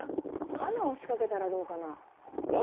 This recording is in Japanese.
罠を仕掛けたらどうかな？